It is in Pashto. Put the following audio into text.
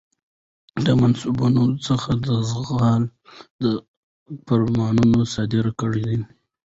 د منصبونو څخه د عزل فرمانونه صادر کړي ؤ